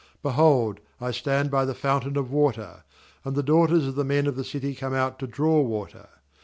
13Behold, I stand by the foun tain of water; and the daughters of the men of the city come out to draw water.